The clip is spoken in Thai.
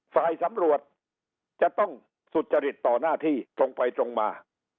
ฝ่ายสำรวจจะต้องสุจริตต่อหน้าที่ตรงไปตรงมา